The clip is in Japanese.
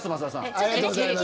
ありがとうございます。